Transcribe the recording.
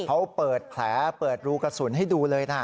เขาเปิดแผลเปิดรูกระสุนให้ดูเลยนะ